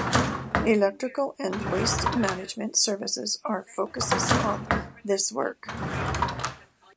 Electrical and waste management services are focuses of this work.